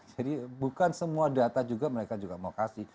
jadi bukan semua data juga mereka juga mau kasih